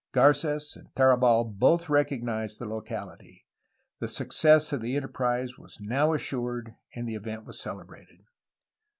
Garc6s and Tarabal both recog nized the locality. The success of the enterprise was now assured and the event was celebrated.